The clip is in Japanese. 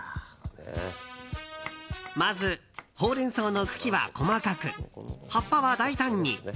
まず、ほうれん草の茎は細かく葉っぱは大胆に。